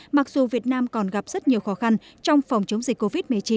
mặc dù việt nam còn gặp rất nhiều khó khăn trong phòng chống dịch covid một mươi chín